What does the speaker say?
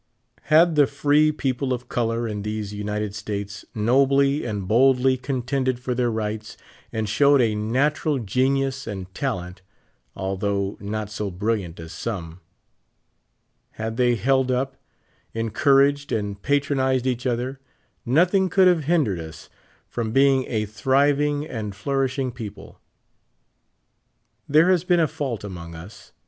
Had the tree people of color irr these United States nobly and boldly contended for their rigrhts, and showed a natural genius and talent, although not so bril liant as some ; had they held up, encouraged and patron ized each other, nothing could have hindered us from being a thriving and flourishing people. There has been a fault among us.